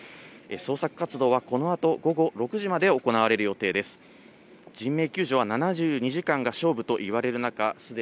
捜索活動はこのあと午後６時まで行われる予定です。